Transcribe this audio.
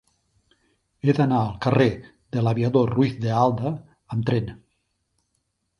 He d'anar al carrer de l'Aviador Ruiz de Alda amb tren.